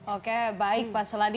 oke baik pak seladil